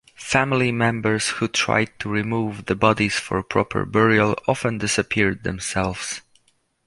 Family members who tried to remove the bodies for proper burial often disappeared themselves.